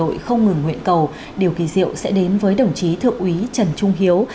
đội không ngừng nguyện cầu điều kỳ diệu sẽ đến với đồng chí thượng úy trần trung hiếu